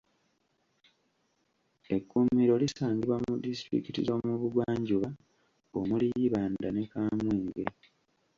Ekkuumiro lisangibwa mu disitulikiti z'omubugwanjuba omuli Ibanda ne Kamwenge